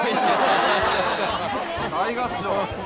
大合唱。